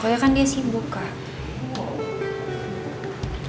oh ya kan dia sibuk kak